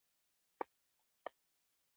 کله چې یو څوک کور اخلي، یادونه راځي.